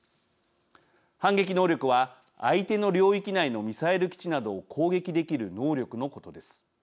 反撃能力は相手の領域内のミサイル基地などを攻撃できる能力のことです。